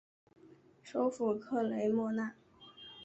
首府克雷莫纳。